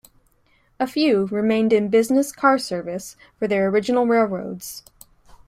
A few remained in business car service for their original railroads.